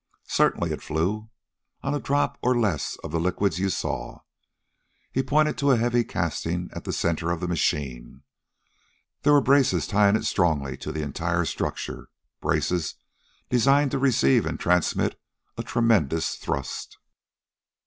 "Certainly it flew! On a drop or less of the liquids you saw." He pointed to a heavy casting at the center of the machine. There were braces tying it strongly to the entire structure, braces designed to receive and transmit a tremendous thrust.